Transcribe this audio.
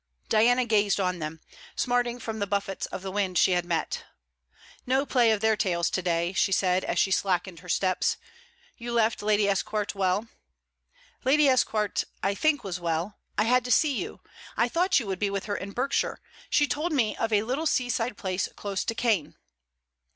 Diana gazed on them, smarting from the buffets of the wind she had met. 'No play of their tails to day'; she said, as she slackened her steps. 'You left Lady Esquart well?' 'Lady Esquart... I think was well. I had to see you. I thought you would be with her in Berkshire. She told me of a little sea side place close to Caen.'